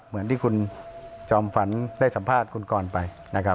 เหมือนที่คุณจอมฝันได้สัมภาษณ์คุณกรไปนะครับ